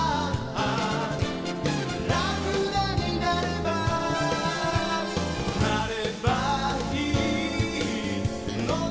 「あーラクダになればなればいいのだ」